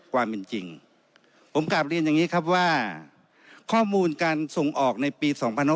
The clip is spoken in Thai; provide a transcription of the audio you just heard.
ความเป็นจริงผมกลับเรียนอย่างนี้ครับว่าข้อมูลการส่งออกในปี๒๕๖๒